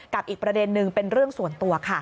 อีกประเด็นนึงเป็นเรื่องส่วนตัวค่ะ